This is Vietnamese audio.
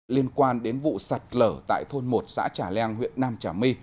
liên quan đến vụ sạt lở tại thôn một xã trà leng huyện nam trà my